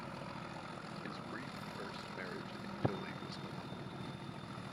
His brief first marriage in Italy was annulled.